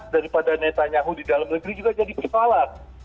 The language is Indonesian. dari netanyahu di dalam negeri juga jadi kesalahan